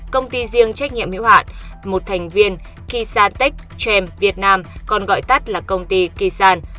công ty riêng trách nhiệm hữu hạn một thành viên kisa tech tram việt nam còn gọi tắt là công ty kisan